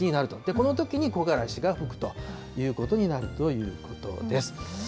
このときに木枯らしが吹くということになるということです。